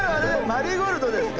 マリーゴールドですか？